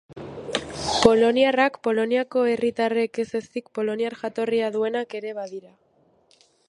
Poloniarrak Poloniako herritarrak ez ezik poloniar jatorria duenak ere badira.